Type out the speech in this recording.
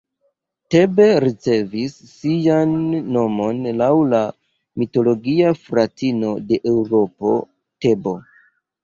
Tebo ricevis sian nomon laŭ la mitologia fratino de Eŭropo, Tebo.